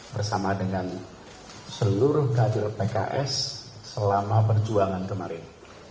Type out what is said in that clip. bersama dengan seluruh kader pks selama perjuangan kemarin